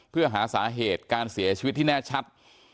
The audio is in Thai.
เพื่อหาสาเหตุการเสียชีวิตที่แน่ชัด